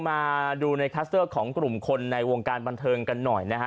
มาดูในคลัสเตอร์ของกลุ่มคนในวงการบันเทิงกันหน่อยนะฮะ